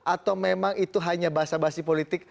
atau memang itu hanya bahasa bahasa politik